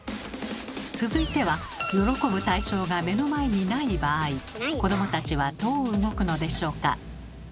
続いては喜ぶ対象が目の前にない場合子どもたちはどう動くのでしょうか？